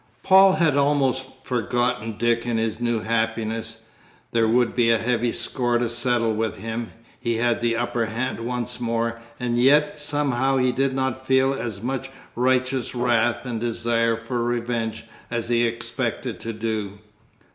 Paul had almost forgotten Dick in his new happiness; there would be a heavy score to settle with him; he had the upper hand once more, and yet, somehow, he did not feel as much righteous wrath and desire for revenge as he expected to do.